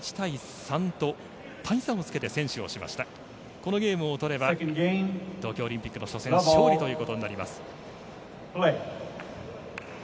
このゲームを取れば東京オリンピックの初戦勝利ということになります。